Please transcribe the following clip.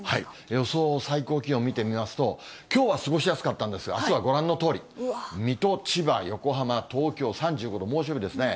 予想最高気温見てみますと、きょうは過ごしやすかったんですが、あすはご覧のとおり、水戸、千葉、横浜、東京３５度、猛暑日ですね。